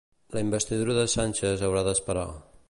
La investidura de Sánchez haurà d'esperar.